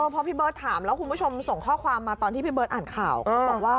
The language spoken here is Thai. พอพี่เบิร์ตถามแล้วคุณผู้ชมส่งข้อความมาตอนที่พี่เบิร์ตอ่านข่าวบอกว่า